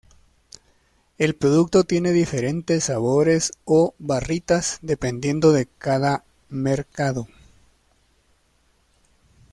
El producto tiene diferentes sabores o barritas dependiendo de cada mercado.